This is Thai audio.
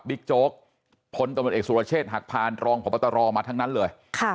โจ๊กพลตำรวจเอกสุรเชษฐ์หักพานรองพบตรมาทั้งนั้นเลย